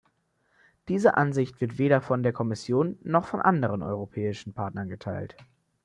Diese Ansicht wird weder von der Kommission noch von anderen europäischen Partnern geteilt.